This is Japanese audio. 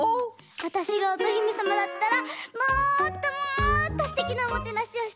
わたしがおとひめさまだったらもっともっとすてきなおもてなしをしてあげたいな！